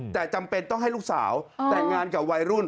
แต่จำเป็นต้องให้ลูกสาวแต่งงานกับวัยรุ่น